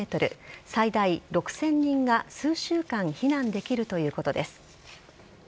最大６０００人が数週間避難できるということです。